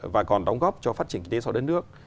và còn đóng góp cho phát triển kinh tế so với đất nước